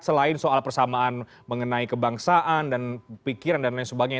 selain soal persamaan mengenai kebangsaan dan pikiran dan lain sebagainya